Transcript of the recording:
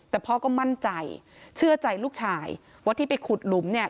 แต่พ่อก็มั่นใจเชื่อใจลูกชายว่าที่ไปขุดหลุมเนี่ย